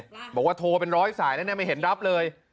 จะบอกว่าโทรเป็น๑๐๐สายไม่เห็นรับเลย